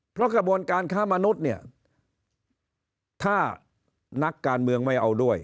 เพราะกระบวนการค้ามนุษย์เนี่ยถ้านักการเมืองไม่เอาด้วย